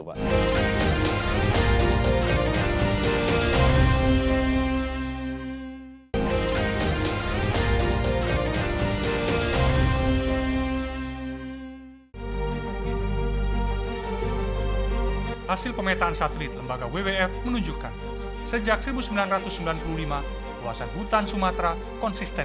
hasil pemetaan satelit lembaga wwf menunjukkan sejak seribu sembilan ratus sembilan puluh lima ruasan hutan sumatera konsisten